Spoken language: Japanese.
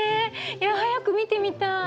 いや早く見てみたい。